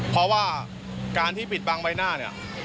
เพราะว่าการที่ปิดบังใบหน้าเนี่ย